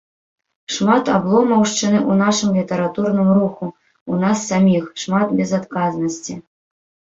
Шмат абломаўшчыны ў нашым літаратурным руху, у нас саміх, шмат безадказнасці.